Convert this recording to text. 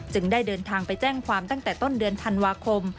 ได้เดินทางไปแจ้งความตั้งแต่ต้นเดือนธันวาคม